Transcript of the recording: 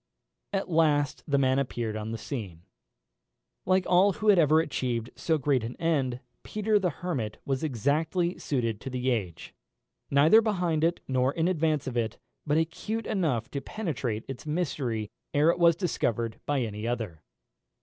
At last the man appeared upon the scene. Like all who have ever achieved so great an end, Peter the Hermit was exactly suited to the age; neither behind it nor in advance of it; but acute enough to penetrate its mystery ere it was discovered by any other.